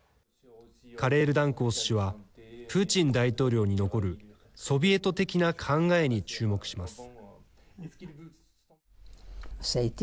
カレールダンコース氏はプーチン大統領に残るソビエト的な考えに注目します。